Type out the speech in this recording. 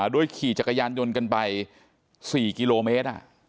ด้วยขี่จักรยานยนต์กันไปสี่กิโลเมตร